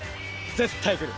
絶対来る。